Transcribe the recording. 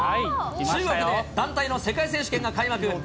中国で団体の世界選手権が開幕。